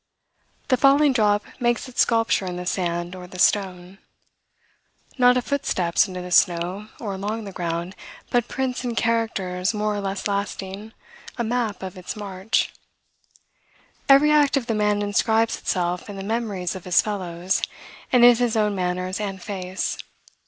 The falling drop makes its sculpture in the sand or the stone. Not a foot steps into the snow, or along the ground, but prints in characters more or less lasting, a map of its march. Every act of the man inscribes itself in the memories of his fellows, and in his own manners and face.